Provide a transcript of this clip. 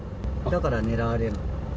だから狙われるの。